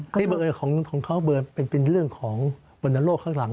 ที่บังเอิญของเขาเป็นเรื่องของวรรณโรคข้างหลัง